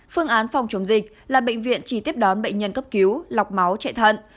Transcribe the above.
phương án phòng chống dịch là bệnh viện chỉ tiếp đón bệnh nhân cấp cứu lọc máu chạy thận